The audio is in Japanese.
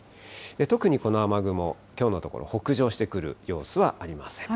特にこの雨雲、きょうのところ北上してくる様子はありません。